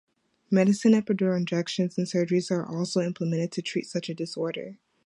Medicine, epidural injections and surgeries are also implemented to treat such a disorder.